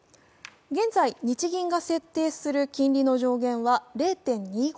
現在、日銀が設定する金利の上限は０．２５％。